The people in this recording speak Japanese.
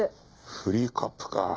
フリーカップか。